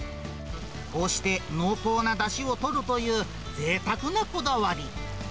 こうして濃厚なだしを取るというぜいたくなこだわり。